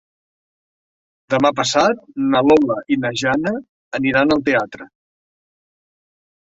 Demà passat na Lola i na Jana aniran al teatre.